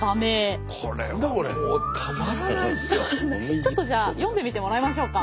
ちょっとじゃあ読んでみてもらいましょうか。